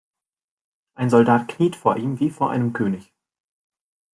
Ein Soldat kniet vor ihm wie vor einem König.